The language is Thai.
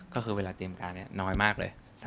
ก็คือเวลาเตรียมการนี้น้อยมากเลย